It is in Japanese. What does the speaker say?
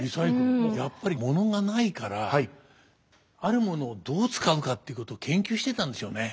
やっぱりものがないからあるものをどう使うかっていうこと研究してたんでしょうね。